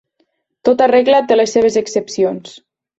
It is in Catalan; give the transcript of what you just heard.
Tota regla té les seves excepcions.